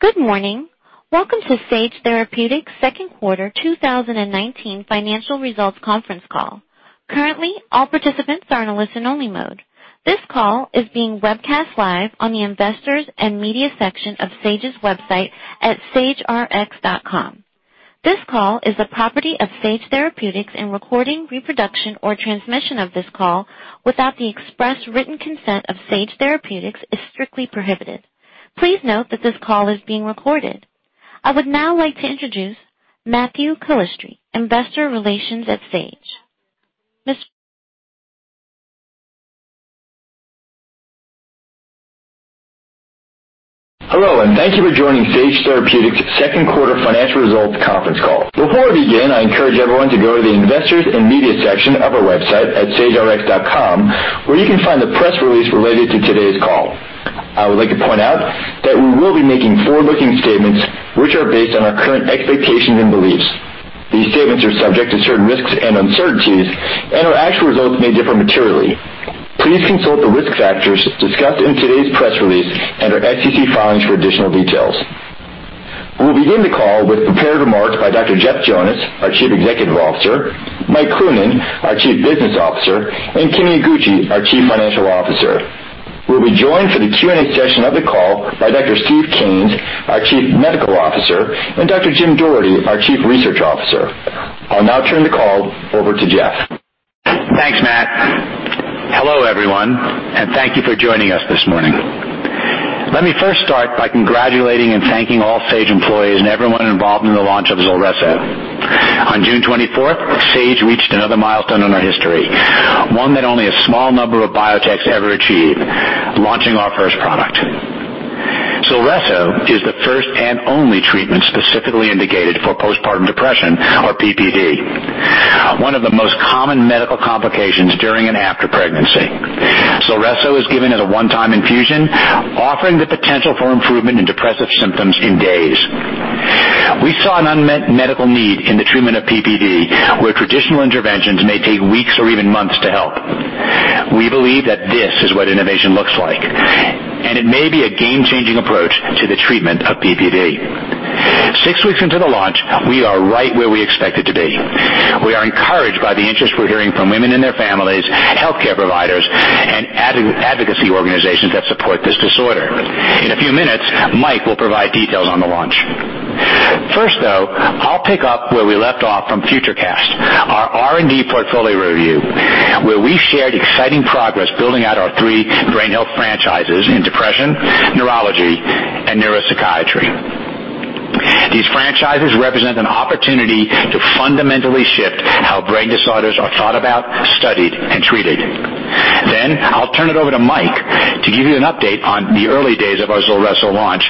Good morning. Welcome to Sage Therapeutics' second quarter 2019 financial results conference call. Currently, all participants are in a listen-only mode. This call is being webcast live on the Investors and Media section of Sage's website at sagerx.com. This call is the property of Sage Therapeutics, recording, reproduction, or transmission of this call without the express written consent of Sage Therapeutics is strictly prohibited. Please note that this call is being recorded. I would now like to introduce Matthew Calistri, investor relations at Sage. Mr. Hello, and thank you for joining Sage Therapeutics' second quarter financial results conference call. Before we begin, I encourage everyone to go to the Investors and Media section of our website at sagerx.com, where you can find the press release related to today's call. I would like to point out that we will be making forward-looking statements, which are based on our current expectations and beliefs. These statements are subject to certain risks and uncertainties, and our actual results may differ materially. Please consult the risk factors discussed in today's press release and our SEC filings for additional details. We'll begin the call with prepared remarks by Dr. Jeff Jonas, our Chief Executive Officer, Mike Cloonan, our Chief Business Officer, and Kimi Iguchi, our Chief Financial Officer. We'll be joined for the Q&A session of the call by Dr. Steve Kanes, our Chief Medical Officer, and Dr. Jim Doherty, our Chief Research Officer. I'll now turn the call over to Jeff. Thanks, Matt. Hello, everyone, thank you for joining us this morning. Let me first start by congratulating and thanking all Sage employees and everyone involved in the launch of ZULRESSO. On June 24th, Sage reached another milestone in our history, one that only a small number of biotechs ever achieve, launching our first product. ZULRESSO is the first and only treatment specifically indicated for postpartum depression, or PPD, one of the most common medical complications during and after pregnancy. ZULRESSO is given as a one-time infusion, offering the potential for improvement in depressive symptoms in days. We saw an unmet medical need in the treatment of PPD, where traditional interventions may take weeks or even months to help. We believe that this is what innovation looks like, and it may be a game-changing approach to the treatment of PPD. Six weeks into the launch, we are right where we expected to be. We are encouraged by the interest we're hearing from women and their families, healthcare providers, and advocacy organizations that support this disorder. In a few minutes, Mike will provide details on the launch. First, though, I'll pick up where we left off from FutureCast, our R&D portfolio review, where we shared exciting progress building out our three brain health franchises in depression, neurology, and neuropsychiatry. These franchises represent an opportunity to fundamentally shift how brain disorders are thought about, studied, and treated. I'll turn it over to Mike to give you an update on the early days of our ZULRESSO launch.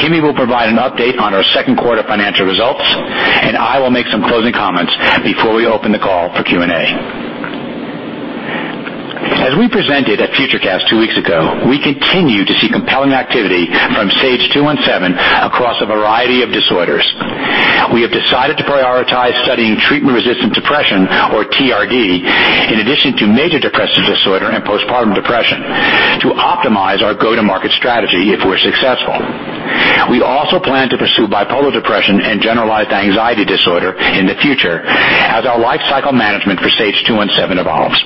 Kimi will provide an update on our second quarter financial results, and I will make some closing comments before we open the call for Q&A. As we presented at FutureCast two weeks ago, we continue to see compelling activity from SAGE-217 across a variety of disorders. We have decided to prioritize studying treatment-resistant depression, or TRD, in addition to major depressive disorder and postpartum depression to optimize our go-to-market strategy if we're successful. We also plan to pursue bipolar depression and generalized anxiety disorder in the future as our lifecycle management for SAGE-217 evolves.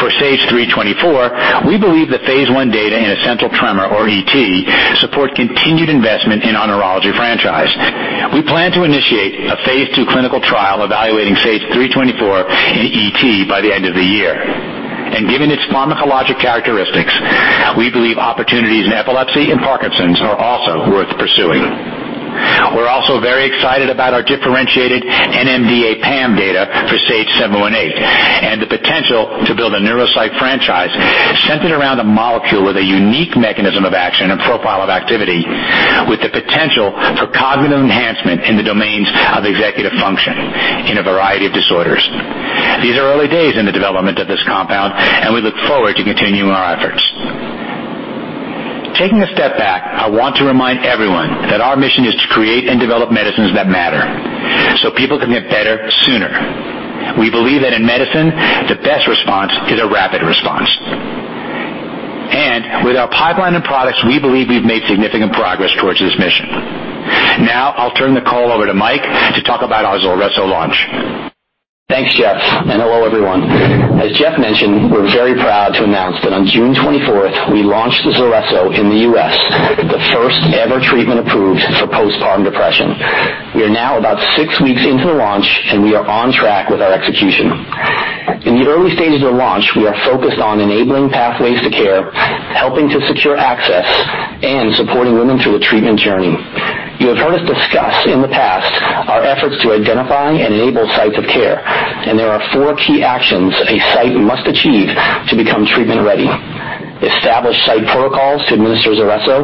For SAGE-324, we believe that phase I data in essential tremor, or ET, support continued investment in our neurology franchise. We plan to initiate a phase II clinical trial evaluating SAGE-324 in ET by the end of the year. Given its pharmacologic characteristics, we believe opportunities in epilepsy and Parkinson's are also worth pursuing. We're also very excited about our differentiated NMDA PAM data for SAGE-718 and the potential to build a neuropsych franchise centered around a molecule with a unique mechanism of action and profile of activity with the potential for cognitive enhancement in the domains of executive function in a variety of disorders. These are early days in the development of this compound, and we look forward to continuing our efforts. Taking a step back, I want to remind everyone that our mission is to create and develop medicines that matter so people can get better sooner. We believe that in medicine, the best response is a rapid response. With our pipeline and products, we believe we've made significant progress towards this mission. Now I'll turn the call over to Mike to talk about our ZULRESSO launch. Thanks, Jeff. Hello, everyone. As Jeff mentioned, we're very proud to announce that on June 24th, we launched ZULRESSO in the U.S., the first-ever treatment approved for postpartum depression. We are now about six weeks into the launch. We are on track with our execution. In the early stages of launch, we are focused on enabling pathways to care, helping to secure access, and supporting women through a treatment journey. You have heard us discuss in the past our efforts to identify and enable sites of care. There are four key actions a site must achieve to become treatment-ready: establish site protocols to administer ZULRESSO,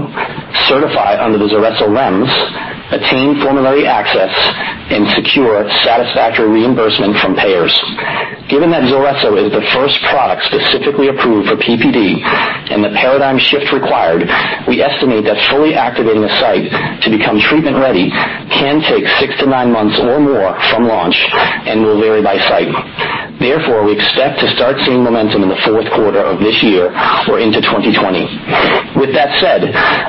certify under the ZULRESSO REMS, attain formulary access, and secure satisfactory reimbursement from payers. Given that ZULRESSO is the first product specifically approved for PPD and the paradigm shift required, we estimate that fully activating a site to become treatment-ready can take six to nine months or more from launch and will vary by site. Therefore, we expect to start seeing momentum in the fourth quarter of this year or into 2020. With that said,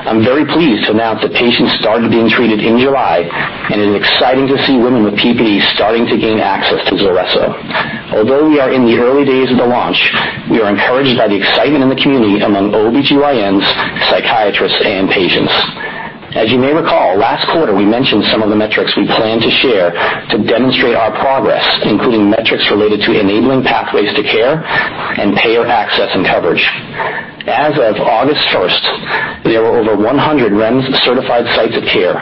I'm very pleased to announce that patients started being treated in July, and it is exciting to see women with PPD starting to gain access to ZULRESSO. Although we are in the early days of the launch, we are encouraged by the excitement in the community among OBGYNs, psychiatrists, and patients. As you may recall, last quarter, we mentioned some of the metrics we plan to share to demonstrate our progress, including metrics related to enabling pathways to care and payer access and coverage. As of August 1st, there were over 100 REMS-certified sites of care,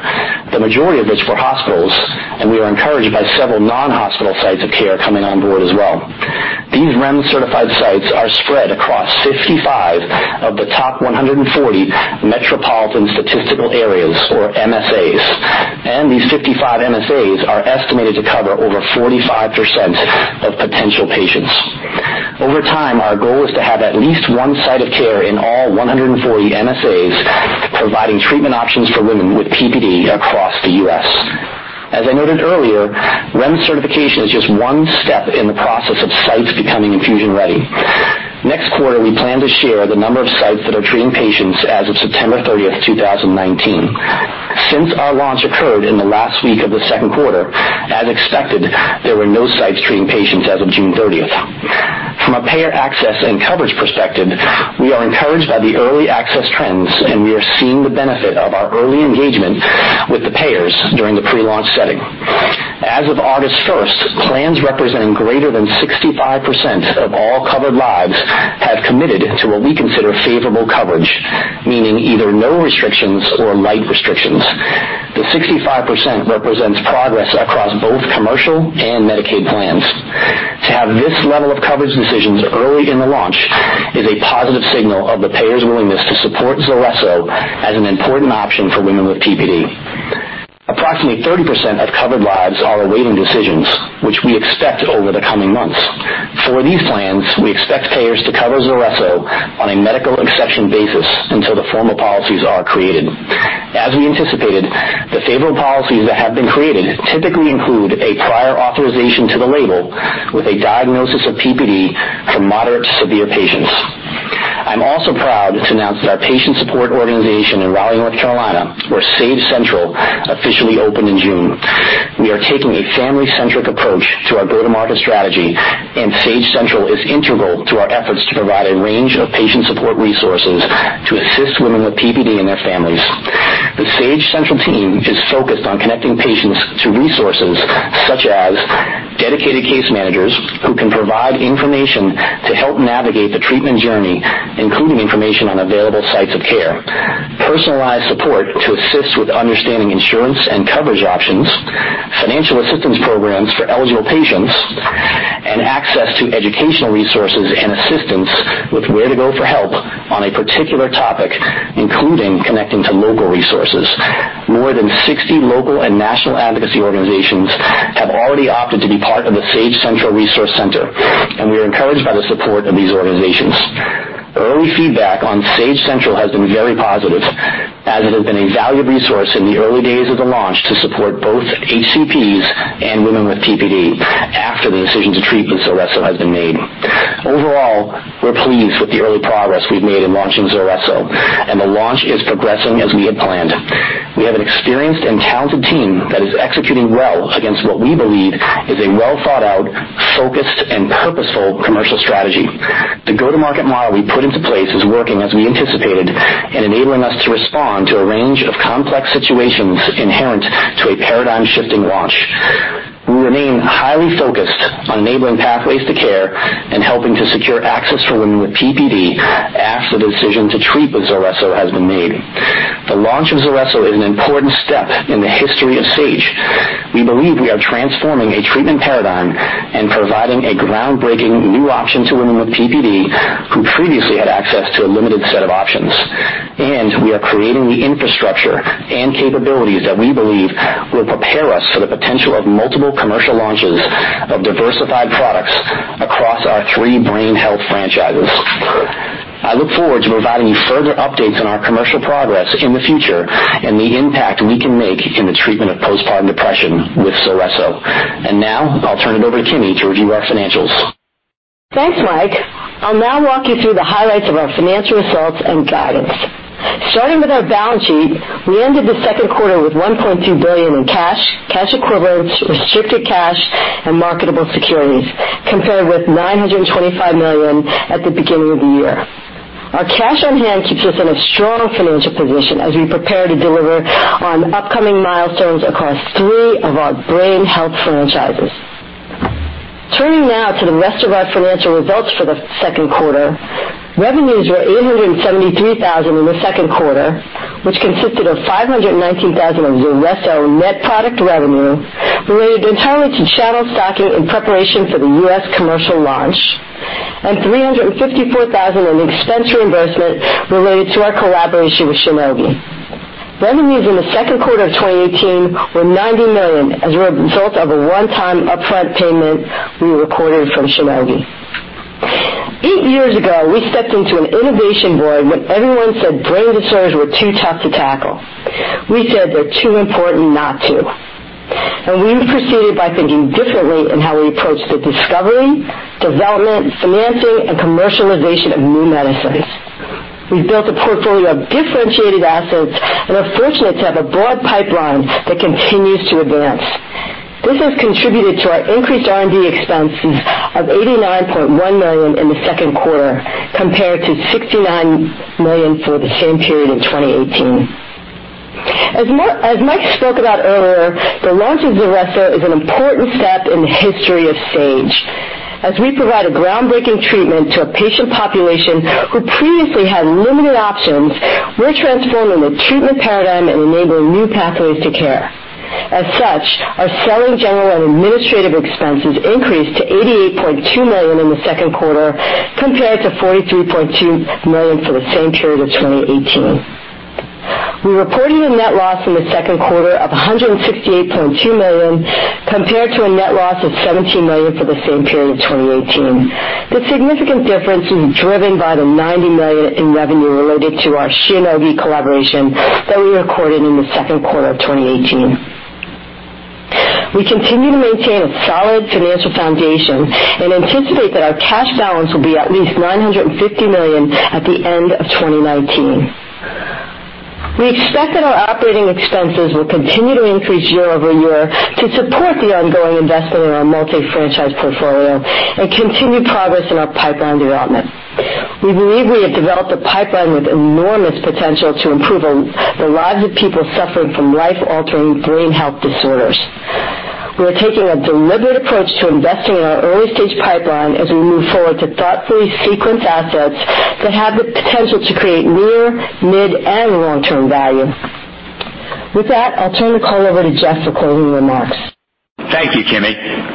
the majority of which were hospitals. We are encouraged by several non-hospital sites of care coming on board as well. These REMS-certified sites are spread across 55 of the top 140 Metropolitan Statistical Areas or MSAs. These 55 MSAs are estimated to cover over 45% of potential patients. Over time, our goal is to have at least one site of care in all 140 MSAs, providing treatment options for women with PPD across the U.S. As I noted earlier, REMS certification is just one step in the process of sites becoming infusion-ready. Next quarter, we plan to share the number of sites that are treating patients as of September 30th, 2019. Since our launch occurred in the last week of the second quarter, as expected, there were no sites treating patients as of June 30th. From a payer access and coverage perspective, we are encouraged by the early access trends, and we are seeing the benefit of our early engagement with the payers during the pre-launch setting. As of August 1st, plans representing greater than 65% of all covered lives have committed to what we consider favorable coverage, meaning either no restrictions or light restrictions. The 65% represents progress across both commercial and Medicaid plans. To have this level of coverage decisions early in the launch is a positive signal of the payer's willingness to support ZULRESSO as an important option for women with PPD. Approximately 30% of covered lives are awaiting decisions, which we expect over the coming months. For these plans, we expect payers to cover ZULRESSO on a medical exception basis until the formal policies are created. As we anticipated, the favorable policies that have been created typically include a prior authorization to the label with a diagnosis of PPD for moderate to severe patients. I'm also proud to announce that our patient support organization in Raleigh, North Carolina, where Sage Central officially opened in June. We are taking a family-centric approach to our go-to-market strategy, and Sage Central is integral to our efforts to provide a range of patient support resources to assist women with PPD and their families. The Sage Central team is focused on connecting patients to resources such as dedicated case managers who can provide information to help navigate the treatment journey, including information on available sites of care, personalized support to assist with understanding insurance and coverage options, financial assistance programs for eligible patients, and access to educational resources and assistance with where to go for help on a particular topic, including connecting to local resources. More than 60 local and national advocacy organizations have already opted to be part of the Sage Central Resource Center, and we are encouraged by the support of these organizations. Early feedback on Sage Central has been very positive, as it has been a valued resource in the early days of the launch to support both HCPs and women with PPD after the decision to treat with ZULRESSO has been made. Overall, we're pleased with the early progress we've made in launching ZULRESSO, and the launch is progressing as we had planned. We have an experienced and talented team that is executing well against what we believe is a well-thought-out, focused, and purposeful commercial strategy. The go-to-market model we put into place is working as we anticipated and enabling us to respond to a range of complex situations inherent to a paradigm-shifting launch. We remain highly focused on enabling pathways to care and helping to secure access for women with PPD after the decision to treat with ZULRESSO has been made. The launch of ZULRESSO is an important step in the history of Sage. We believe we are transforming a treatment paradigm and providing a groundbreaking new option to women with PPD who previously had access to a limited set of options. We are creating the infrastructure and capabilities that we believe will prepare us for the potential of multiple commercial launches of diversified products across our three brain health franchises. I look forward to providing further updates on our commercial progress in the future and the impact we can make in the treatment of postpartum depression with ZULRESSO. Now I'll turn it over to Kimi to review our financials. Thanks, Mike. I'll now walk you through the highlights of our financial results and guidance. Starting with our balance sheet, we ended the second quarter with $1.2 billion in cash equivalents, restricted cash, and marketable securities, compared with $925 million at the beginning of the year. Our cash on hand keeps us in a strong financial position as we prepare to deliver on upcoming milestones across three of our brain health franchises. Turning now to the rest of our financial results for the second quarter. Revenues were $873,000 in the second quarter, which consisted of $519,000 of ZULRESSO net product revenue related entirely to channel stocking in preparation for the U.S. commercial launch, and $354,000 in expense reimbursement related to our collaboration with Shionogi. Revenues in the second quarter of 2018 were $90 million as a result of a one-time upfront payment we recorded from Shionogi. Eight years ago, we stepped into an innovation void when everyone said brain disorders were too tough to tackle. We said they're too important not to. We proceeded by thinking differently in how we approached the discovery, development, financing, and commercialization of new medicines. We've built a portfolio of differentiated assets and are fortunate to have a broad pipeline that continues to advance. This has contributed to our increased R&D expenses of $89.1 million in the second quarter, compared to $69 million for the same period in 2018. As Mike spoke about earlier, the launch of ZULRESSO is an important step in the history of Sage. As we provide a groundbreaking treatment to a patient population who previously had limited options, we're transforming the treatment paradigm and enabling new pathways to care. As such, our selling general and administrative expenses increased to $88.2 million in the second quarter compared to $43.2 million for the same period of 2018. We reported a net loss in the second quarter of $168.2 million compared to a net loss of $17 million for the same period of 2018. The significant difference is driven by the $90 million in revenue related to our Shionogi collaboration that we recorded in the second quarter of 2018. We continue to maintain a solid financial foundation and anticipate that our cash balance will be at least $950 million at the end of 2019. We expect that our operating expenses will continue to increase year-over-year to support the ongoing investment in our multi-franchise portfolio and continued progress in our pipeline development. We believe we have developed a pipeline with enormous potential to improve the lives of people suffering from life-altering brain health disorders. We are taking a deliberate approach to investing in our early-stage pipeline as we move forward to thoughtfully sequence assets that have the potential to create near, mid, and long-term value. With that, I'll turn the call over to Jeff for closing remarks. Thank you, Kimi.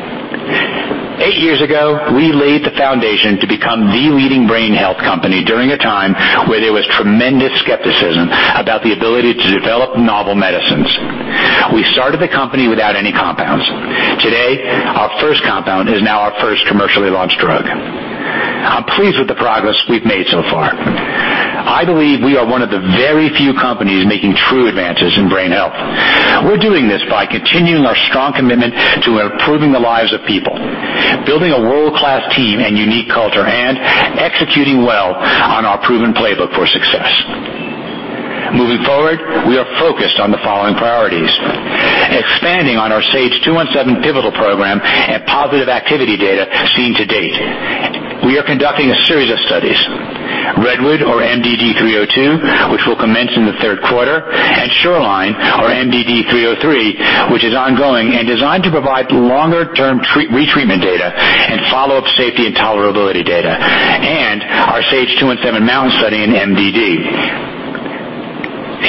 Eight years ago, we laid the foundation to become the leading brain health company during a time where there was tremendous skepticism about the ability to develop novel medicines. We started the company without any compounds. Today, our first compound is now our first commercially launched drug. I'm pleased with the progress we've made so far. I believe we are one of the very few companies making true advances in brain health. We're doing this by continuing our strong commitment to improving the lives of people, building a world-class team and unique culture, and executing well on our proven playbook for success. Moving forward, we are focused on the following priorities. Expanding on our SAGE-217 pivotal program and positive activity data seen to date. We are conducting a series of studies. Redwood or MDD302, which will commence in the third quarter, and Shoreline or MDD303, which is ongoing and designed to provide longer-term retreatment data and follow-up safety and tolerability data, and our SAGE-217 MOUNTAIN study in MDD.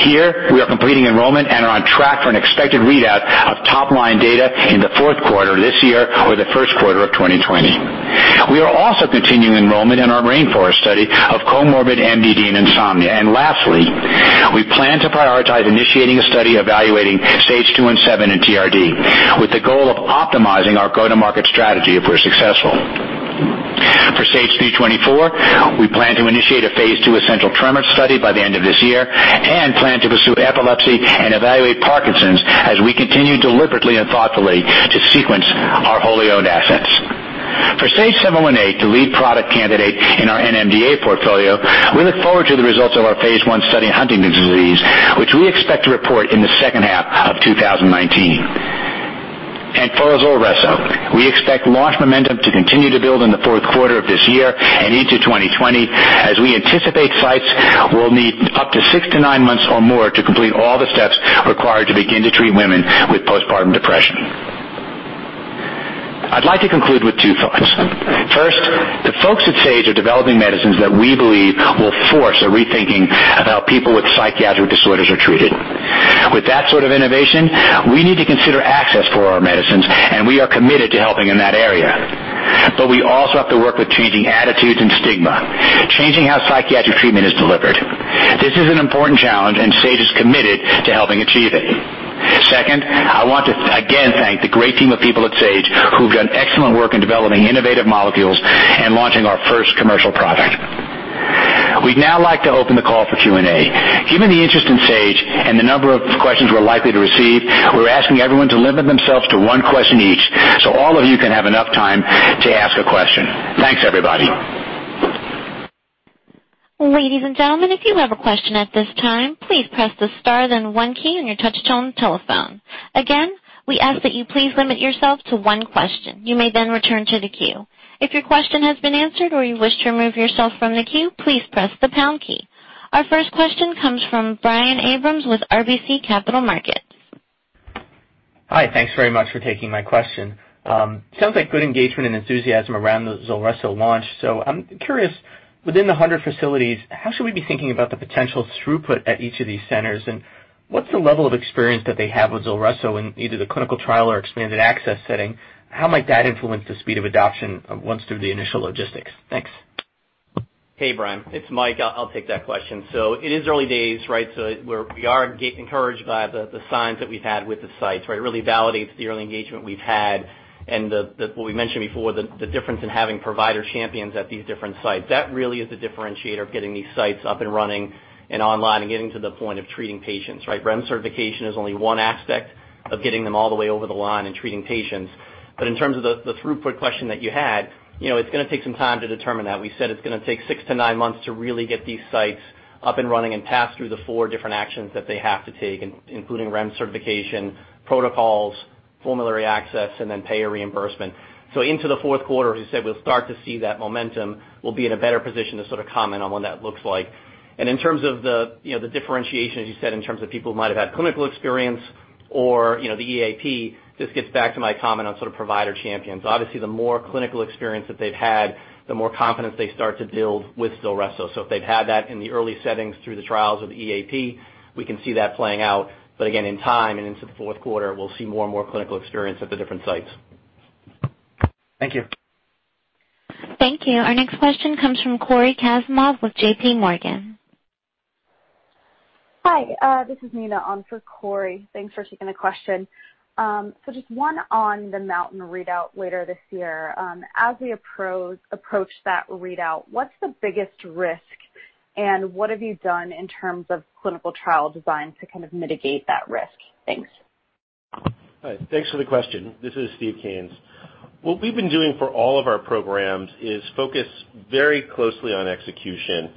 Here, we are completing enrollment and are on track for an expected readout of top-line data in the fourth quarter this year or the first quarter of 2020. We are also continuing enrollment in our RAINFOREST study of comorbid MDD and insomnia. Lastly, we plan to prioritize initiating a study evaluating SAGE-217 in TRD with the goal of optimizing our go-to-market strategy if we're successful. For SAGE-324, we plan to initiate a phase II essential tremor study by the end of this year and plan to pursue epilepsy and evaluate Parkinson's as we continue deliberately and thoughtfully to sequence our wholly owned assets. For SAGE-718, the lead product candidate in our NMDA portfolio, we look forward to the results of our phase I study in Huntington's disease, which we expect to report in the second half of 2019. For ZULRESSO, we expect launch momentum to continue to build in the fourth quarter of this year and into 2020, as we anticipate sites will need up to 6 to 9 months or more to complete all the steps required to begin to treat women with postpartum depression. I'd like to conclude with two thoughts. First, the folks at Sage are developing medicines that we believe will force a rethinking of how people with psychiatric disorders are treated. With that sort of innovation, we need to consider access for our medicines, and we are committed to helping in that area. We also have to work with changing attitudes and stigma, changing how psychiatric treatment is delivered. This is an important challenge, and Sage is committed to helping achieve it. Second, I want to again thank the great team of people at Sage who've done excellent work in developing innovative molecules and launching our first commercial product. We'd now like to open the call for Q&A. Given the interest in Sage and the number of questions we're likely to receive, we're asking everyone to limit themselves to one question each so all of you can have enough time to ask a question. Thanks, everybody. Ladies and gentlemen, if you have a question at this time, please press the star then 1 key on your touch-tone telephone. Again, we ask that you please limit yourself to 1 question. You may return to the queue. If your question has been answered or you wish to remove yourself from the queue, please press the pound key. Our first question comes from Brian Abrahams with RBC Capital Markets. Hi. Thanks very much for taking my question. Sounds like good engagement and enthusiasm around the ZULRESSO launch. I'm curious, within the 100 facilities, how should we be thinking about the potential throughput at each of these centers? What's the level of experience that they have with ZULRESSO in either the clinical trial or expanded access setting? How might that influence the speed of adoption once through the initial logistics? Thanks. Hey, Brian, it's Mike. I'll take that question. It is early days, right? We are encouraged by the signs that we've had with the sites, where it really validates the early engagement we've had and what we mentioned before, the difference in having provider champions at these different sites. That really is the differentiator of getting these sites up and running and online and getting to the point of treating patients, right? REMS certification is only one aspect of getting them all the way over the line and treating patients. In terms of the throughput question that you had, it's going to take some time to determine that. We said it's going to take six to nine months to really get these sites up and running and pass through the four different actions that they have to take, including REMS certification, protocols, formulary access, and then payer reimbursement. Into the fourth quarter, as we said, we'll start to see that momentum. We'll be in a better position to sort of comment on what that looks like. In terms of the differentiation, as you said, in terms of people who might have had clinical experience or the EAP, just gets back to my comment on sort of provider champions. Obviously, the more clinical experience that they've had, the more confidence they start to build with ZULRESSO. If they've had that in the early settings through the trials of EAP, we can see that playing out. Again, in time and into the fourth quarter, we'll see more and more clinical experience at the different sites. Thank you. Thank you. Our next question comes from Cory Kasimov with JPMorgan. Hi. This is Nina on for Cory. Thanks for taking the question. Just one on the MOUNTAIN readout later this year. As we approach that readout, what's the biggest risk, and what have you done in terms of clinical trial design to kind of mitigate that risk? Thanks. Hi. Thanks for the question. This is Steve Kanes. What we've been doing for all of our programs is focus very closely on execution.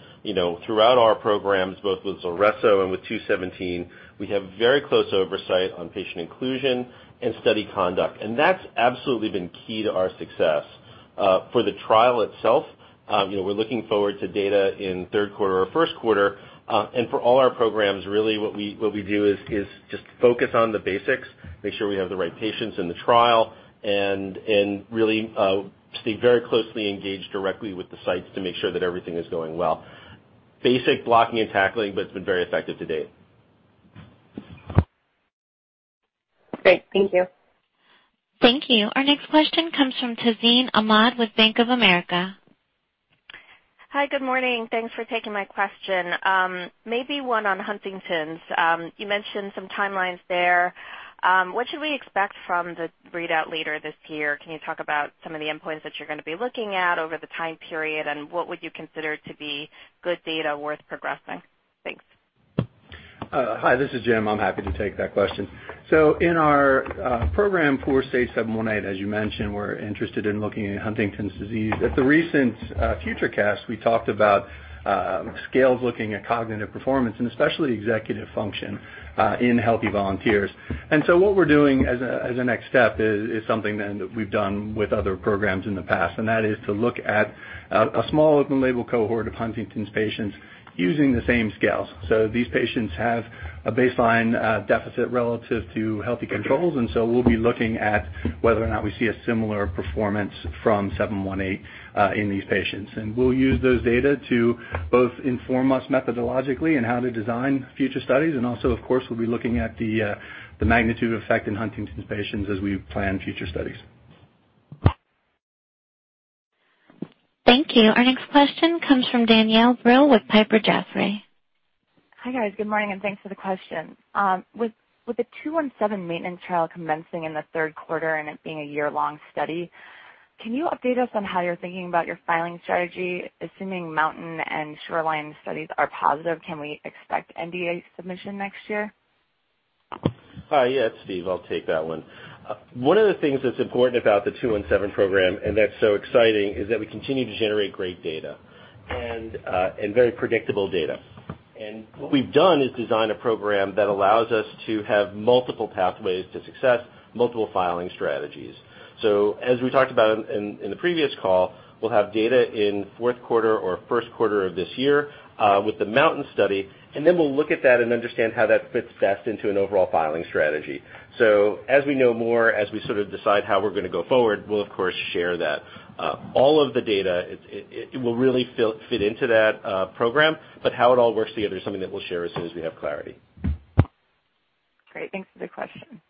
Throughout our programs, both with ZULRESSO and with SAGE-217, we have very close oversight on patient inclusion and study conduct, and that's absolutely been key to our success. For the trial itself, we're looking forward to data in third quarter or first quarter. For all our programs, really what we do is just focus on the basics, make sure we have the right patients in the trial, and really stay very closely engaged directly with the sites to make sure that everything is going well. Basic blocking and tackling, but it's been very effective to date. Great. Thank you. Thank you. Our next question comes from Tazeen Ahmad with Bank of America. Hi, good morning. Thanks for taking my question. Maybe one on Huntington's. You mentioned some timelines there. What should we expect from the readout later this year? Can you talk about some of the endpoints that you're going to be looking at over the time period, and what would you consider to be good data worth progressing? Thanks. Hi, this is Jim. I'm happy to take that question. In our program for SAGE-718, as you mentioned, we're interested in looking at Huntington's disease. At the recent FutureCast, we talked about scales looking at cognitive performance and especially executive function in healthy volunteers. What we're doing as a next step is something then that we've done with other programs in the past, and that is to look at a small open label cohort of Huntington's patients using the same scales. These patients have a baseline deficit relative to healthy controls, we'll be looking at whether or not we see a similar performance from 718 in these patients. We'll use those data to both inform us methodologically on how to design future studies, and also, of course, we'll be looking at the magnitude effect in Huntington's patients as we plan future studies. Thank you. Our next question comes from Danielle Brill with Piper Jaffray. Hi. Good morning, and thanks for the question. With the SAGE-217 maintenance trial commencing in the third quarter and it being a year-long study, can you update us on how you're thinking about your filing strategy? Assuming MOUNTAIN and Shoreline studies are positive, can we expect NDA submission next year? Hi. Yeah, it's Steve. I'll take that one. One of the things that's important about the SAGE-217 program, and that's so exciting, is that we continue to generate great data and very predictable data. What we've done is design a program that allows us to have multiple pathways to success, multiple filing strategies. As we talked about in the previous call, we'll have data in fourth quarter or first quarter of this year with the MOUNTAIN study, and then we'll look at that and understand how that fits best into an overall filing strategy. As we know more, as we sort of decide how we're going to go forward, we'll of course share that. All of the data will really fit into that program, how it all works together is something that we'll share as soon as we have clarity. Great. Thanks for the question.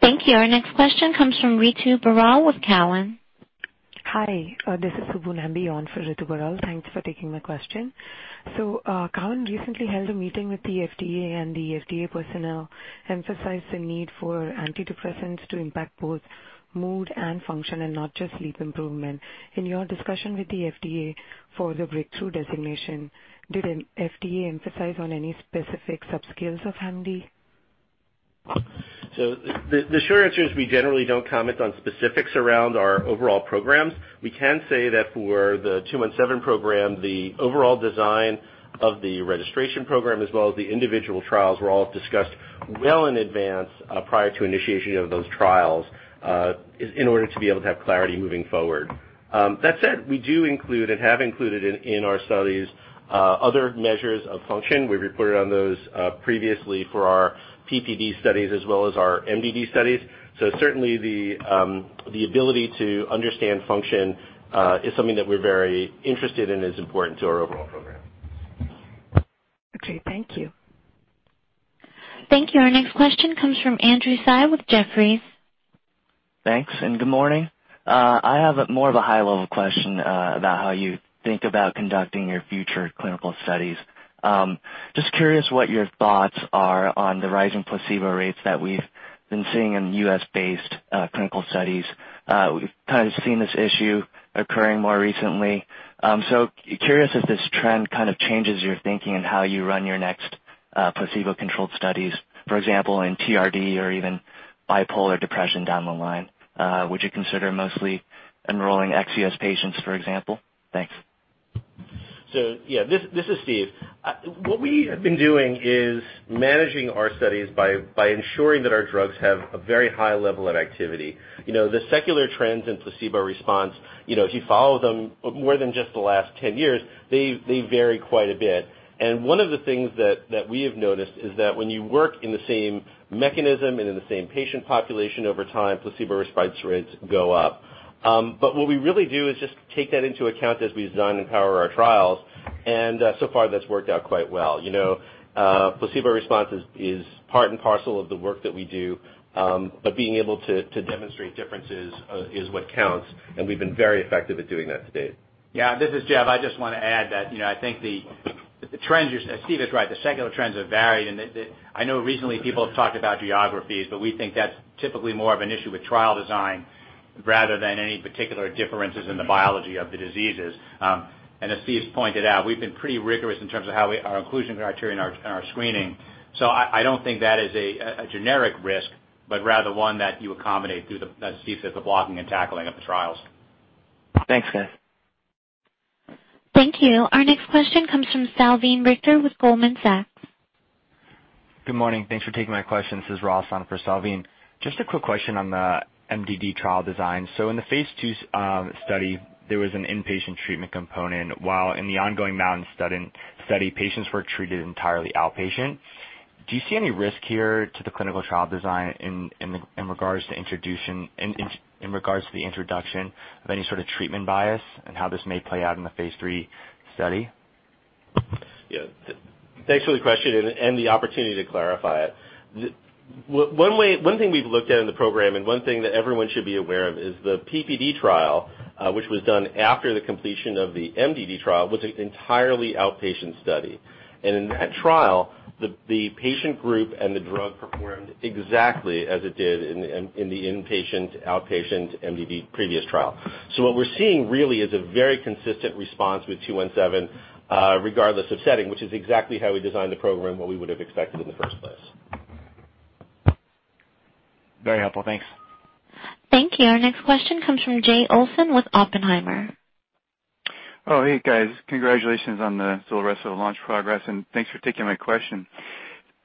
Thank you. Our next question comes from Ritu Baral with Cowen. Hi. This is Subbu Nambi on for Ritu Baral. Thanks for taking my question. Cowen recently held a meeting with the FDA, and the FDA personnel emphasized the need for antidepressants to impact both mood and function and not just sleep improvement. In your discussion with the FDA for the breakthrough designation, did FDA emphasize on any specific subscales of HAM-D? The short answer is we generally don't comment on specifics around our overall programs. We can say that for the 217 program, the overall design of the registration program as well as the individual trials were all discussed well in advance prior to initiation of those trials in order to be able to have clarity moving forward. That said, we do include and have included in our studies other measures of function. We've reported on those previously for our PPD studies as well as our MDD studies. Certainly the ability to understand function is something that we're very interested in and is important to our overall program. Okay, thank you. Thank you. Our next question comes from Andrew Tsai with Jefferies. Thanks, and good morning. I have more of a high-level question about how you think about conducting your future clinical studies. Just curious what your thoughts are on the rising placebo rates that we've been seeing in U.S.-based clinical studies. We've kind of seen this issue occurring more recently. Curious if this trend kind of changes your thinking in how you run your next placebo-controlled studies, for example, in TRD or even bipolar depression down the line. Would you consider mostly enrolling ex-U.S. patients, for example? Thanks. Yeah, this is Steve. What we have been doing is managing our studies by ensuring that our drugs have a very high level of activity. The secular trends in placebo response, if you follow them more than just the last 10 years, they vary quite a bit. One of the things that we have noticed is that when you work in the same mechanism and in the same patient population over time, placebo response rates go up. What we really do is just take that into account as we design and power our trials, and so far, that's worked out quite well. Placebo response is part and parcel of the work that we do. Being able to demonstrate differences, is what counts, and we've been very effective at doing that to date. Yeah, this is Jeff. I just want to add that I think Steve is right. The secular trends have varied, and I know recently people have talked about geographies, but we think that's typically more of an issue with trial design rather than any particular differences in the biology of the diseases. As Steve's pointed out, we've been pretty rigorous in terms of our inclusion criteria and our screening. I don't think that is a generic risk, but rather one that you accommodate through, as Steve says, the blocking and tackling of the trials. Thanks, guys. Thank you. Our next question comes from Salveen Richter with Goldman Sachs. Good morning. Thanks for taking my question. This is Ross on for Salveen. Just a quick question on the MDD trial design. In the phase II study, there was an inpatient treatment component, while in the ongoing MOUNTAIN study, patients were treated entirely outpatient. Do you see any risk here to the clinical trial design in regards to the introduction of any sort of treatment bias and how this may play out in the phase III study? Yeah. Thanks for the question and the opportunity to clarify it. One thing we've looked at in the program and one thing that everyone should be aware of is the PPD trial, which was done after the completion of the MDD trial, was an entirely outpatient study. In that trial, the patient group and the drug performed exactly as it did in the inpatient-outpatient MDD previous trial. What we're seeing really is a very consistent response with SAGE-217, regardless of setting, which is exactly how we designed the program and what we would have expected in the first place. Very helpful. Thanks. Thank you. Our next question comes from Jay Olson with Oppenheimer. Oh, hey, guys. Congratulations on the ZULRESSO launch progress. Thanks for taking my question.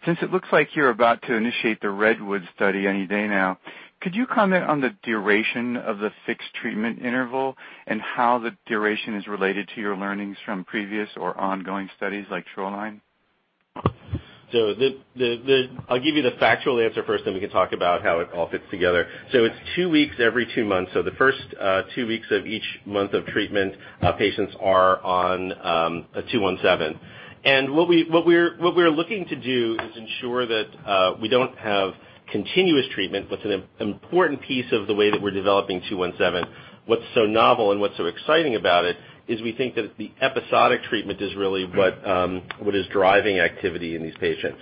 Since it looks like you're about to initiate the Redwood study any day now, could you comment on the duration of the fixed treatment interval and how the duration is related to your learnings from previous or ongoing studies like Shoreline? I'll give you the factual answer first, then we can talk about how it all fits together. It's two weeks every two months. The first two weeks of each month of treatment, patients are on two one seven. What we're looking to do is ensure that we don't have continuous treatment. What's an important piece of the way that we're developing two one seven, what's so novel and what's so exciting about it is we think that the episodic treatment is really what is driving activity in these patients.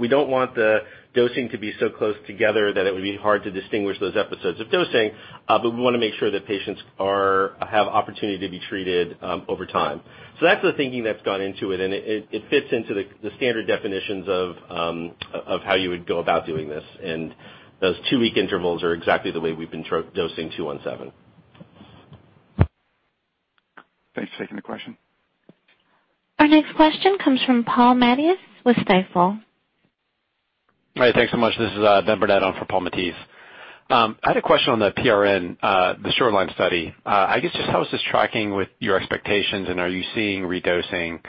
We don't want the dosing to be so close together that it would be hard to distinguish those episodes of dosing, but we want to make sure that patients have opportunity to be treated over time. That's the thinking that's gone into it, and it fits into the standard definitions of how you would go about doing this. Those two-week intervals are exactly the way we've been dosing SAGE-217. Thanks for taking the question. Our next question comes from Paul Matteis with Stifel. Hi. Thanks so much. This is Benjamin Burnett on for Paul Matteis. I had a question on the PRN, the Shoreline study. I guess, just how is this tracking with your expectations, and are you seeing redosing,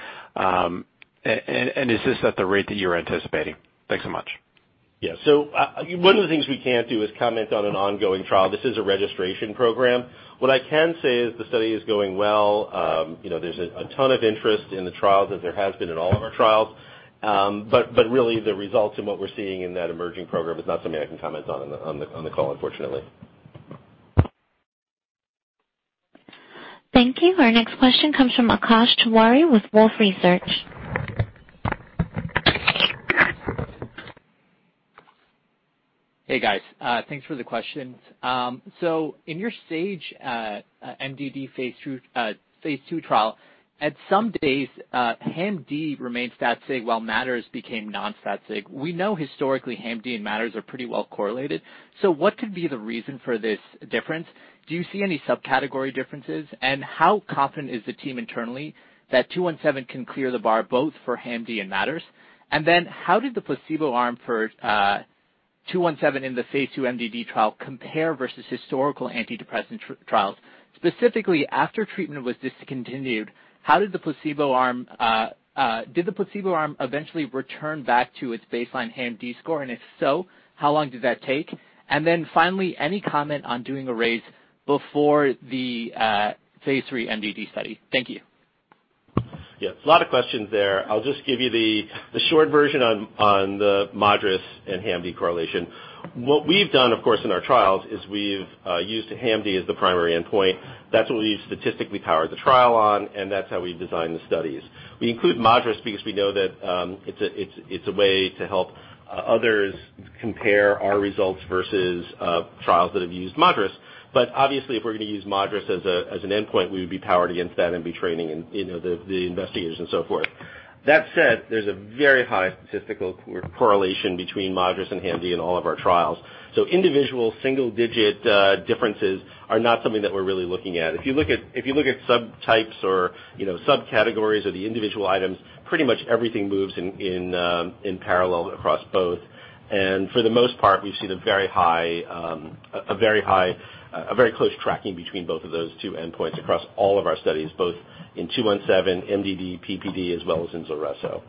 and is this at the rate that you're anticipating? Thanks so much. Yeah. One of the things we can't do is comment on an ongoing trial. This is a registration program. What I can say is the study is going well. There's a ton of interest in the trial, as there has been in all of our trials. Really, the results in what we're seeing in that emerging program is not something I can comment on the call, unfortunately. Thank you. Our next question comes from Akash Tiwari with Wolfe Research. Hey, guys. Thanks for the questions. In your Sage MDD phase II trial, at some days, HAM-D remained stat sig while MADRS became non-stat sig. We know historically HAM-D and MADRS are pretty well correlated. What could be the reason for this difference? Do you see any subcategory differences? How confident is the team internally that SAGE-217 can clear the bar both for HAM-D and MADRS? How did the placebo arm for SAGE-217 in the phase II MDD trial compare versus historical antidepressant trials? Specifically, after treatment was discontinued, did the placebo arm eventually return back to its baseline HAM-D score, and if so, how long did that take? Finally, any comment on doing a raise? Before the phase III MDD study. Thank you. Yeah. A lot of questions there. I'll just give you the short version on the MADRS and HAM-D correlation. What we've done, of course, in our trials is we've used HAM-D as the primary endpoint. That's what we statistically powered the trial on, and that's how we designed the studies. We include MADRS because we know that it's a way to help others compare our results versus trials that have used MADRS. Obviously, if we're going to use MADRS as an endpoint, we would be powered against that and be training the investigators and so forth. That said, there's a very high statistical correlation between MADRS and HAM-D in all of our trials. Individual single-digit differences are not something that we're really looking at. If you look at subtypes or subcategories or the individual items, pretty much everything moves in parallel across both. For the most part, we see a very close tracking between both of those two endpoints across all of our studies, both in 217, MDD, PPD, as well as in ZULRESSO.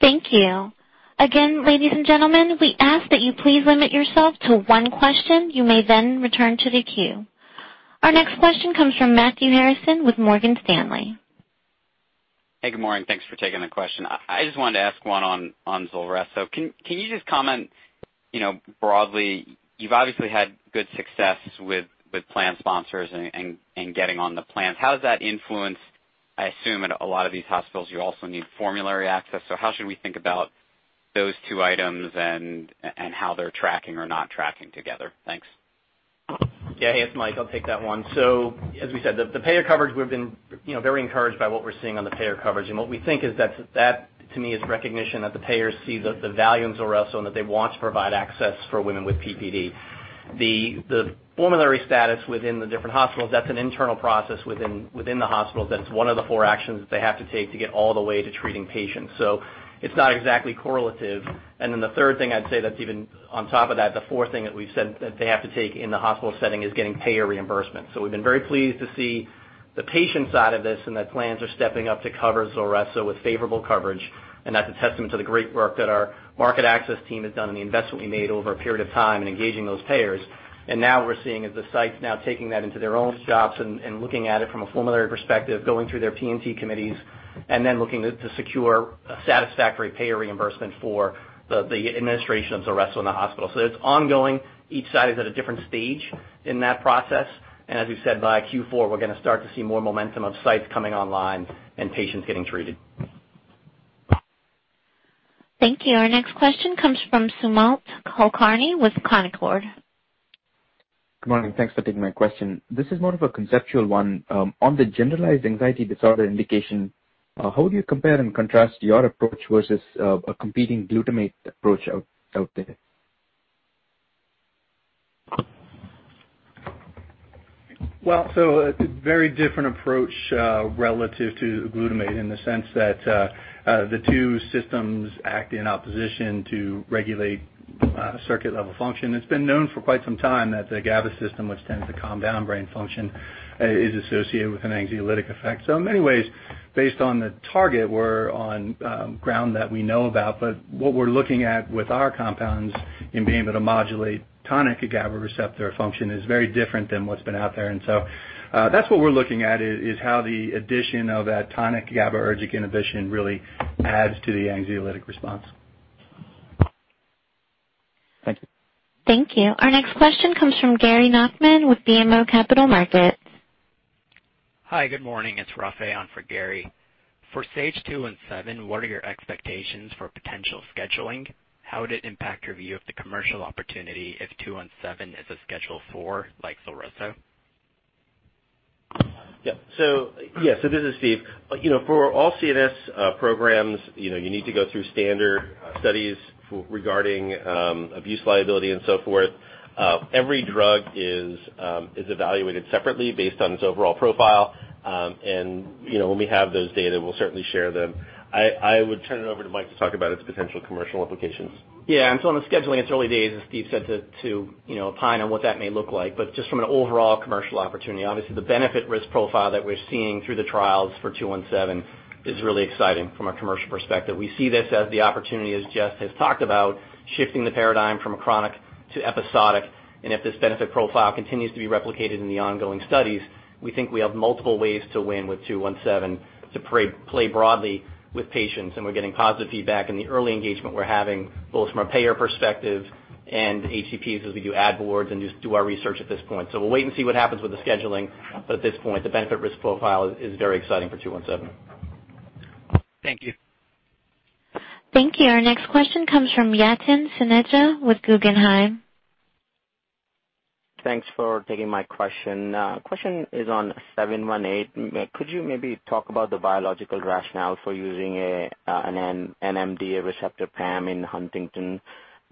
Thank you. Again, ladies and gentlemen, we ask that you please limit yourself to one question. You may then return to the queue. Our next question comes from Matthew Harrison with Morgan Stanley. Hey, good morning. Thanks for taking the question. I just wanted to ask one on ZULRESSO. Can you just comment broadly, you've obviously had good success with plan sponsors and getting on the plans. How has that influenced, I assume at a lot of these hospitals, you also need formulary access. How should we think about those two items and how they're tracking or not tracking together? Thanks. Yeah. Hey, it's Mike. I'll take that one. As we said, the payer coverage, we've been very encouraged by what we're seeing on the payer coverage. What we think is that, to me, is recognition that the payers see the value in ZULRESSO and that they want to provide access for women with PPD. The formulary status within the different hospitals, that's an internal process within the hospitals. That's one of the four actions that they have to take to get all the way to treating patients. It's not exactly correlative. The third thing I'd say that's even on top of that, the fourth thing that we've said that they have to take in the hospital setting is getting payer reimbursement. We've been very pleased to see the patient side of this and that plans are stepping up to cover ZULRESSO with favorable coverage. That's a testament to the great work that our market access team has done and the investment we made over a period of time in engaging those payers. Now what we're seeing is the sites now taking that into their own shops and looking at it from a formulary perspective, going through their P&T committees, and then looking to secure a satisfactory payer reimbursement for the administration of ZULRESSO in the hospital. It's ongoing. Each side is at a different stage in that process. As we've said, by Q4, we're going to start to see more momentum of sites coming online and patients getting treated. Thank you. Our next question comes from Sumit Kulkarni with Concord. Good morning. Thanks for taking my question. This is more of a conceptual one. On the generalized anxiety disorder indication, how do you compare and contrast your approach versus a competing glutamate approach out there? Well, a very different approach relative to glutamate in the sense that the two systems act in opposition to regulate circuit-level function. It's been known for quite some time that the GABA system, which tends to calm down brain function, is associated with an anxiolytic effect. In many ways, based on the target, we're on ground that we know about, but what we're looking at with our compounds in being able to modulate tonic GABA receptor function is very different than what's been out there. That's what we're looking at is how the addition of that tonic GABAergic inhibition really adds to the anxiolytic response. Thank you. Thank you. Our next question comes from Gary Nachman with BMO Capital Markets. Hi, good morning. It's Rafay on for Gary. For SAGE-217, what are your expectations for potential scheduling? How would it impact your view of the commercial opportunity if 217 is a Schedule IV like ZULRESSO? This is Steve. For all CNS programs, you need to go through standard studies regarding abuse liability and so forth. Every drug is evaluated separately based on its overall profile. When we have those data, we'll certainly share them. I would turn it over to Mike to talk about its potential commercial implications. Yeah. On the scheduling, it's early days, as Steve said, to opine on what that may look like. Just from an overall commercial opportunity, obviously the benefit risk profile that we're seeing through the trials for 217 is really exciting from a commercial perspective. We see this as the opportunity, as Jeff has talked about, shifting the paradigm from a chronic to episodic. If this benefit profile continues to be replicated in the ongoing studies, we think we have multiple ways to win with 217 to play broadly with patients. We're getting positive feedback in the early engagement we're having, both from a payer perspective and HCPs as we do ad boards and just do our research at this point. We'll wait and see what happens with the scheduling. At this point, the benefit risk profile is very exciting for 217. Thank you. Thank you. Our next question comes from Yatin Suneja with Guggenheim. Thanks for taking my question. Question is on SAGE-718. Could you maybe talk about the biological rationale for using an NMDA receptor PAM in Huntington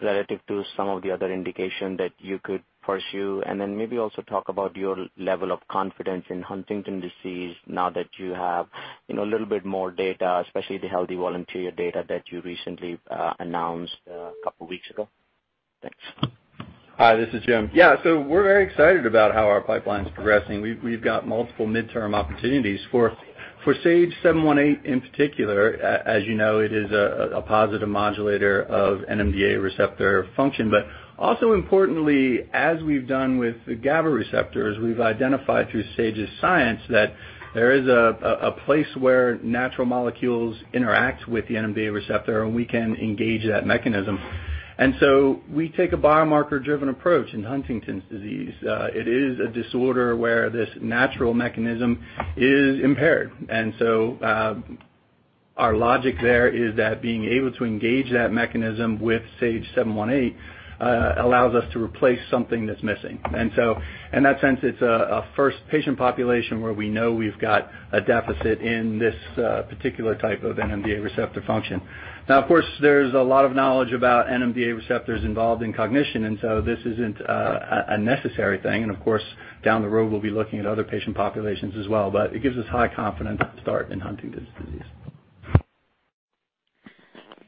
relative to some of the other indications that you could pursue? Then maybe also talk about your level of confidence in Huntington's disease now that you have a little bit more data, especially the healthy volunteer data that you recently announced a couple weeks ago. Thanks. Hi, this is Jim. Yeah. We're very excited about how our pipeline's progressing. We've got multiple midterm opportunities. For SAGE-718 in particular, as you know, it is a positive modulator of NMDA receptor function. Also importantly, as we've done with the GABA receptors, we've identified through Sage's science that there is a place where natural molecules interact with the NMDA receptor, and we can engage that mechanism. We take a biomarker-driven approach in Huntington's disease. It is a disorder where this natural mechanism is impaired. Our logic there is that being able to engage that mechanism with SAGE-718 allows us to replace something that's missing. In that sense, it's a first patient population where we know we've got a deficit in this particular type of NMDA receptor function. Of course, there's a lot of knowledge about NMDA receptors involved in cognition, this isn't a necessary thing. Of course, down the road, we'll be looking at other patient populations as well. It gives us high confidence to start in Huntington's disease.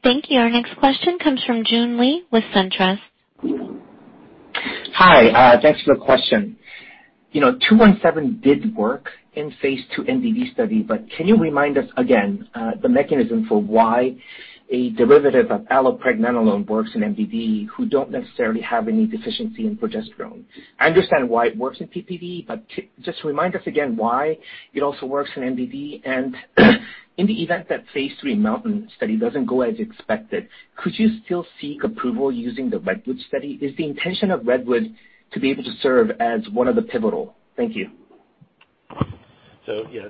Thank you. Our next question comes from June Li with Centrus. Hi. Thanks for the question. 217 did work in phase II MDD study, but can you remind us again, the mechanism for why a derivative of allopregnanolone works in MDD who don't necessarily have any deficiency in progesterone? I understand why it works in PPD, but just remind us again why it also works in MDD? In the event that phase III MOUNTAIN study doesn't go as expected, could you still seek approval using the Redwood study? Is the intention of Redwood to be able to serve as one of the pivotal? Thank you. Yeah.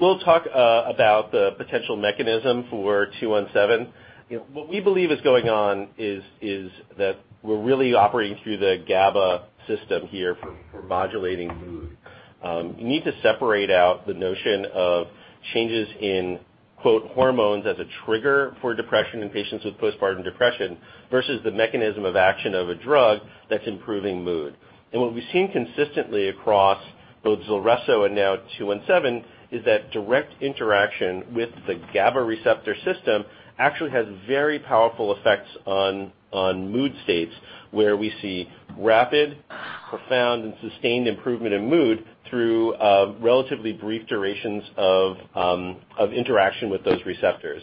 We'll talk about the potential mechanism for 217. What we believe is going on is that we're really operating through the GABA system here for modulating mood. You need to separate out the notion of changes in quote, "hormones" as a trigger for depression in patients with postpartum depression versus the mechanism of action of a drug that's improving mood. What we've seen consistently across both ZULRESSO and now 217 is that direct interaction with the GABA receptor system actually has very powerful effects on mood states, where we see rapid, profound, and sustained improvement in mood through relatively brief durations of interaction with those receptors.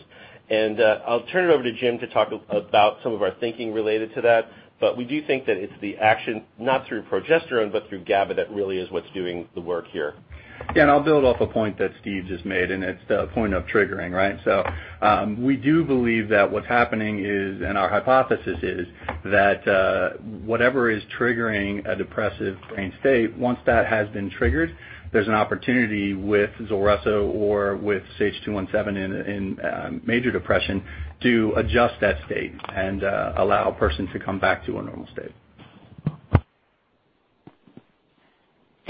I'll turn it over to Jim to talk about some of our thinking related to that. We do think that it's the action, not through progesterone, but through GABA that really is what's doing the work here. I'll build off a point that Steve just made, and it's the point of triggering, right? We do believe that what's happening is, and our hypothesis is that, whatever is triggering a depressive brain state, once that has been triggered, there's an opportunity with ZULRESSO or with SAGE-217 in major depression to adjust that state and allow a person to come back to a normal state.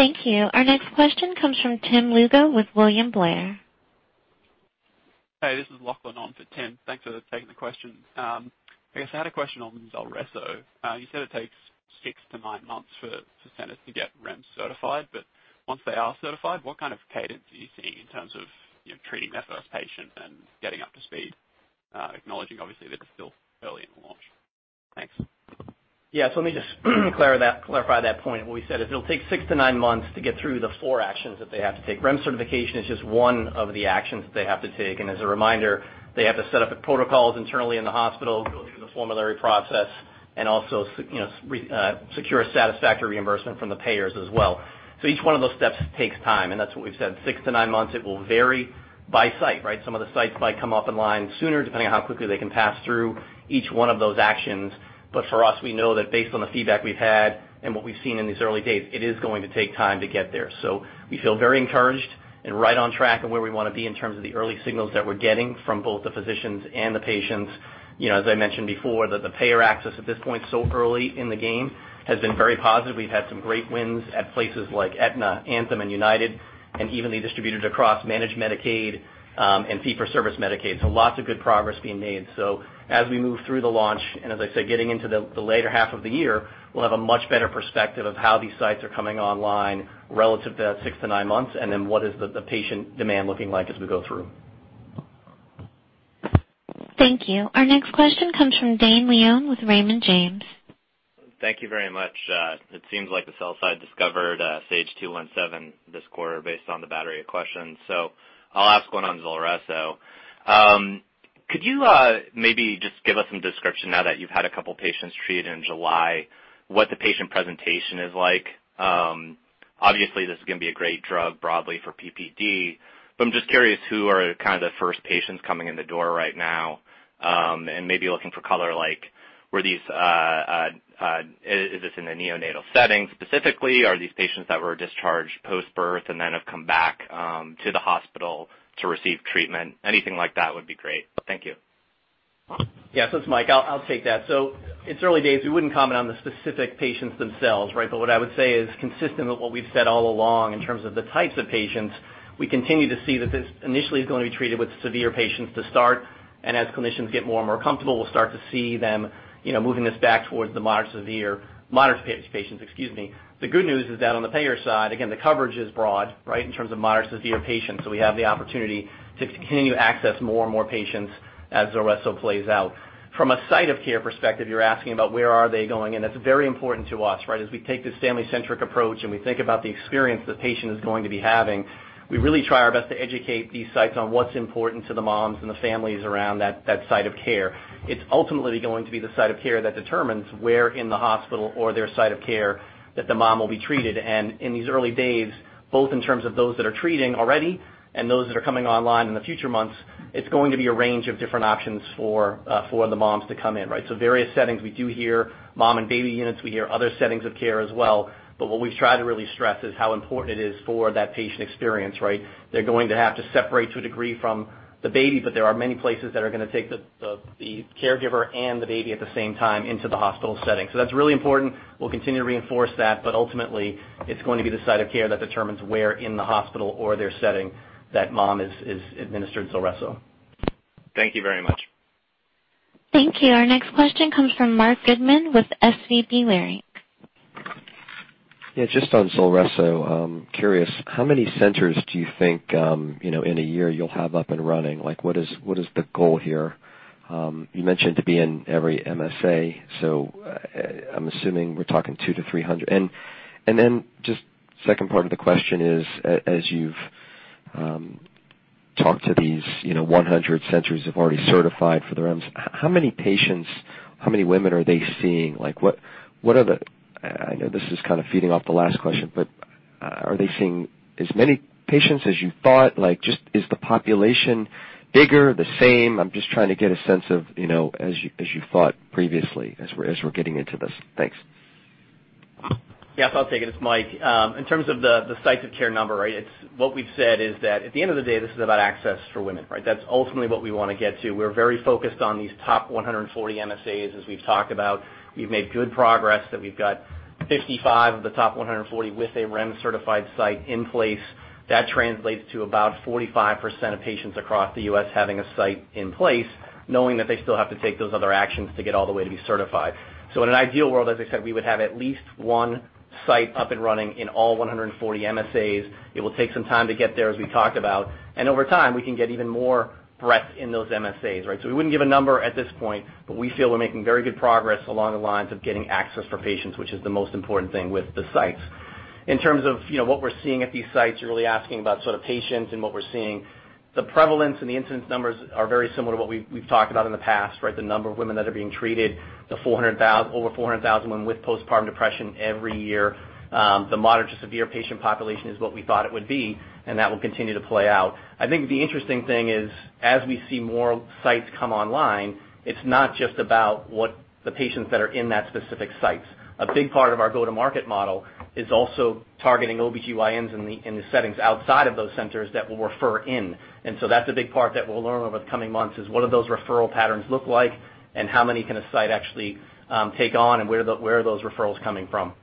Thank you. Our next question comes from Tim Lugo with William Blair. Hey, this is Lachlan on for Tim. Thanks for taking the question. I guess I had a question on ZULRESSO. You said it takes six to nine months for centers to get REMS certified, but once they are certified, what kind of cadence are you seeing in terms of treating that first patient and getting up to speed? Acknowledging obviously that it's still early in the launch. Thanks. Yeah. Let me just clarify that point. What we said is it'll take six to nine months to get through the four actions that they have to take. REMS certification is just one of the actions that they have to take, and as a reminder, they have to set up protocols internally in the hospital, go through the formulary process, and also secure a satisfactory reimbursement from the payers as well. Each one of those steps takes time, and that's what we've said. Six to nine months. It will vary by site, right? Some of the sites might come up in line sooner, depending on how quickly they can pass through each one of those actions. For us, we know that based on the feedback we've had and what we've seen in these early days, it is going to take time to get there. We feel very encouraged and right on track of where we want to be in terms of the early signals that we're getting from both the physicians and the patients. As I mentioned before, the payer access at this point, so early in the game, has been very positive. We've had some great wins at places like Aetna, Anthem, and United, and evenly distributed across Managed Medicaid, and Fee for Service Medicaid. Lots of good progress being made. As we move through the launch, and as I said, getting into the later half of the year, we'll have a much better perspective of how these sites are coming online relative to that 6-9 months. What is the patient demand looking like as we go through. Thank you. Our next question comes from Dane Leone with Raymond James. Thank you very much. It seems like the sell side discovered SAGE-217 this quarter based on the battery of questions. I'll ask one on ZULRESSO. Could you maybe just give us some description now that you've had a couple patients treated in July, what the patient presentation is like? Obviously, this is gonna be a great drug broadly for PPD, but I'm just curious, who are kind of the first patients coming in the door right now, and maybe looking for color like, is this in a neonatal setting specifically? Are these patients that were discharged post-birth and then have come back to the hospital to receive treatment? Anything like that would be great. Thank you. Yeah. It's Mike. I'll take that. It's early days. We wouldn't comment on the specific patients themselves, right? What I would say is consistent with what we've said all along in terms of the types of patients, we continue to see that this initially is going to be treated with severe patients to start. As clinicians get more and more comfortable, we'll start to see them moving this back towards the moderate severe, moderate patients, excuse me. The good news is that on the payer side, again, the coverage is broad, right, in terms of moderate severe patients. We have the opportunity to continue to access more and more patients as ZULRESSO plays out. From a site of care perspective, you're asking about where are they going, and that's very important to us, right? As we take this family-centric approach and we think about the experience the patient is going to be having, we really try our best to educate these sites on what's important to the moms and the families around that site of care. It's ultimately going to be the site of care that determines where in the hospital or their site of care that the mom will be treated. In these early days, both in terms of those that are treating already and those that are coming online in the future months, it's going to be a range of different options for the moms to come in, right? Various settings. We do hear mom and baby units. We hear other settings of care as well. What we've tried to really stress is how important it is for that patient experience, right? They're going to have to separate to a degree from the baby, but there are many places that are going to take the caregiver and the baby at the same time into the hospital setting. That's really important. We'll continue to reinforce that, but ultimately, it's going to be the site of care that determines where in the hospital or their setting that mom is administered ZULRESSO. Thank you very much. Thank you. Our next question comes from Marc Goodman with SVB Leerink. Just on ZULRESSO. Curious, how many centers do you think in a year you'll have up and running? What is the goal here? You mentioned to be in every MSA, I'm assuming we're talking 200-300. Just second part of the question is, as you've talked to these 100 centers who've already certified for the REMS, how many patients, how many women are they seeing? I know this is kind of feeding off the last question, are they seeing as many patients as you thought? Is the population bigger, the same? I'm just trying to get a sense of as you thought previously, as we're getting into this. Thanks. Yeah, I'll take it. It's Mike. In terms of the sites of care number, what we've said is that at the end of the day, this is about access for women, right? That's ultimately what we want to get to. We're very focused on these top 140 MSAs, as we've talked about. We've made good progress that we've got 55 of the top 140 with a REMS-certified site in place. That translates to about 45% of patients across the U.S. having a site in place, knowing that they still have to take those other actions to get all the way to be certified. In an ideal world, as I said, we would have at least one site up and running in all 140 MSAs. It will take some time to get there, as we talked about, and over time, we can get even more breadth in those MSAs, right? We wouldn't give a number at this point, but we feel we're making very good progress along the lines of getting access for patients, which is the most important thing with the sites. In terms of what we're seeing at these sites, you're really asking about sort of patients and what we're seeing. The prevalence and the incidence numbers are very similar to what we've talked about in the past, right? The number of women that are being treated, the over 400,000 women with postpartum depression every year. The moderate to severe patient population is what we thought it would be, and that will continue to play out. I think the interesting thing is as we see more sites come online, it's not just about what the patients that are in that specific site. A big part of our go-to-market model is also targeting OBGYNs in the settings outside of those centers that will refer in. That's a big part that we'll learn over the coming months is what do those referral patterns look like and how many can a site actually take on and where are those referrals coming from.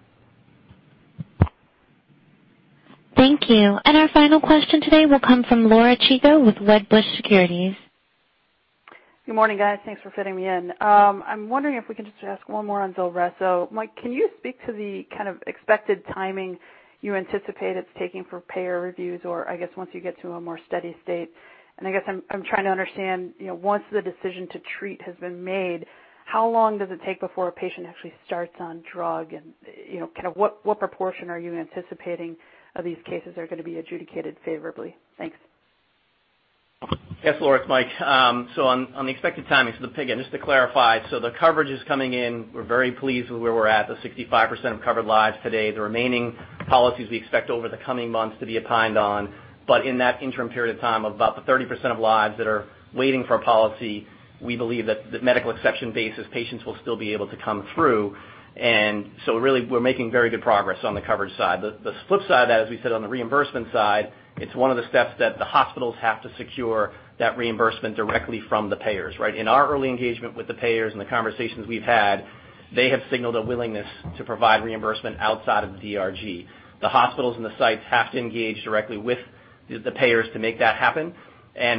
Thank you. Our final question today will come from Laura Chico with Wedbush Securities. Good morning, guys. Thanks for fitting me in. I'm wondering if we can just ask one more on ZULRESSO. Mike, can you speak to the kind of expected timing you anticipate it's taking for payer reviews or I guess once you get to a more steady state? I guess I'm trying to understand, once the decision to treat has been made, how long does it take before a patient actually starts on drug and what proportion are you anticipating of these cases are going to be adjudicated favorably? Thanks. Laura, it's Mike. On the expected timing, again, just to clarify, the coverage is coming in. We're very pleased with where we're at, the 65% of covered lives today. The remaining policies we expect over the coming months to be opined on. In that interim period of time, about the 30% of lives that are waiting for a policy, we believe that medical exception basis patients will still be able to come through. Really we're making very good progress on the coverage side. The flip side of that, as we said on the reimbursement side, it's one of the steps that the hospitals have to secure that reimbursement directly from the payers, right? In our early engagement with the payers and the conversations we've had, they have signaled a willingness to provide reimbursement outside of the DRG. The hospitals and the sites have to engage directly with the payers to make that happen.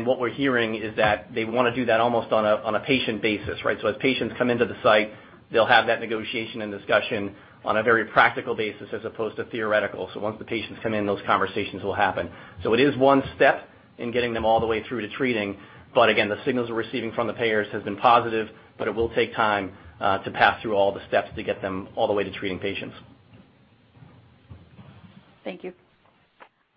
What we're hearing is that they want to do that almost on a patient basis, right? As patients come into the site, they'll have that negotiation and discussion on a very practical basis as opposed to theoretical. Once the patients come in, those conversations will happen. It is one step in getting them all the way through to treating. Again, the signals we're receiving from the payers has been positive, but it will take time to pass through all the steps to get them all the way to treating patients. Thank you.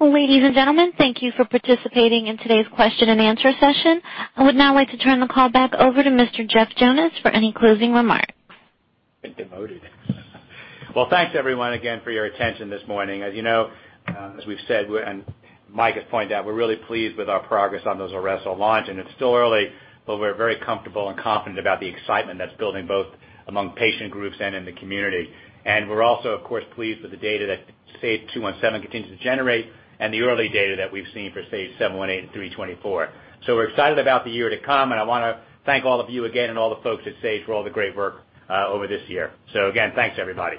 Ladies and gentlemen, thank you for participating in today's question and answer session. I would now like to turn the call back over to Mr. Jeff Jonas for any closing remarks. Well, thanks everyone again for your attention this morning. As you know, as we've said, Mike has pointed out, we're really pleased with our progress on the ZULRESSO launch. It's still early, but we're very comfortable and confident about the excitement that's building both among patient groups and in the community. We're also, of course, pleased with the data that SAGE-217 continues to generate and the early data that we've seen for SAGE-718 and SAGE-324. We're excited about the year to come, and I want to thank all of you again and all the folks at Sage for all the great work over this year. Again, thanks everybody.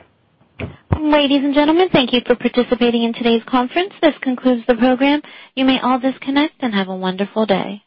Ladies and gentlemen, thank you for participating in today's conference. This concludes the program. You may all disconnect and have a wonderful day.